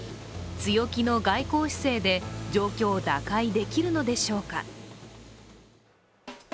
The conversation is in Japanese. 強気の外交姿勢で、状況を打開できるのでしょうか。